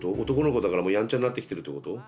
男の子だからもうやんちゃになってきてるってこと？